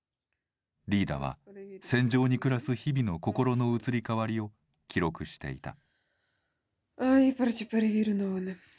リーダは、戦場に暮らす日々の心の移り変わりを記録していた。